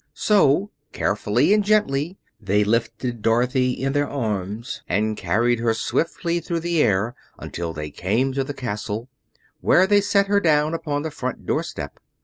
So, carefully and gently, they lifted Dorothy in their arms and carried her swiftly through the air until they came to the castle, where they set her down upon the front doorstep.